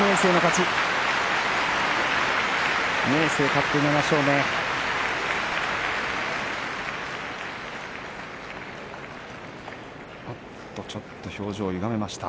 ちょっと表情をゆがめました。